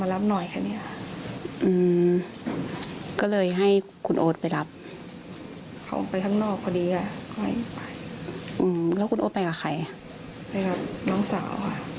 แล้วคุณโอ๊ดไปกับใครไปกับน้องเสาร์